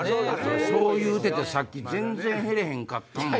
そう言うててさっき全然減れへんかったもん。